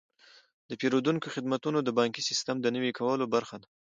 د پیرودونکو خدمتونه د بانکي سیستم د نوي کولو برخه ده.